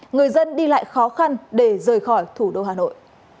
người dân đi lại khó khăn để rời khỏi thủ đô hà nội